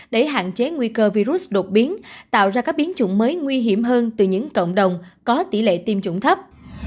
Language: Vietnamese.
để hạn chế nguy cơ virus đột biến tạo ra các biến chủng mới nguy hiểm hơn từ những cộng đồng có tỷ lệ tiêm chủng thấp